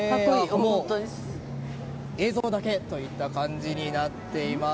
映像だけといった感じになっています。